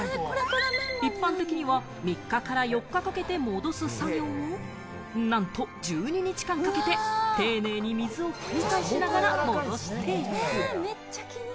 一般的には３日から４日かけて戻す作業をなんと１２日間かけて丁寧に水を交換しながら戻していく。